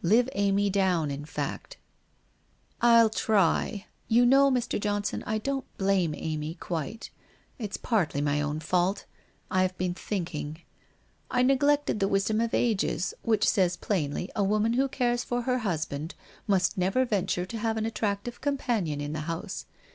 Live Amy down, in fact.' ' I'll try. You know, Mr. Johnson, I don't blame Amy quite. It's partly my own fault. I have been thinking. I neglected the wisdom of ages, which says plainly a woman who cares for her husband must never venture to have an attractive companion in the house.